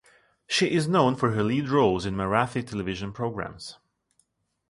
She is known for her lead roles in Marathi television programs.